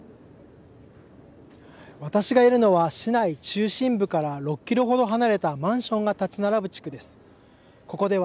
私がいるのは市内中心部から６キロ程離れたマンションが立ち並ぶ地区です。